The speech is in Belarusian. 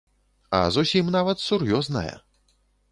А зусім нават сур'ёзная.